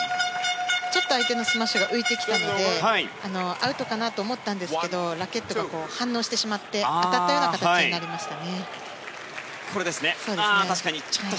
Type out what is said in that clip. ちょっと相手のスマッシュが浮いてきたのでアウトかなと思ったんですけどラケットが反応してしまって当たったような形になりました。